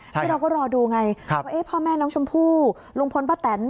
นี่เราก็รอดูไงว่าพ่อแม่น้องชมพู่ลุงพลป้าแตน